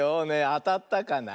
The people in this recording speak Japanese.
あたったかな？